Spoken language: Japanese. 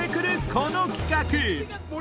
この企画